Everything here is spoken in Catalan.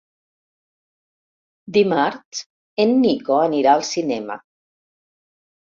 Dimarts en Nico anirà al cinema.